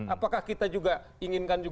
apakah kita juga inginkan